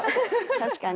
確かに。